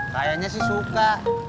kayaknya sih suka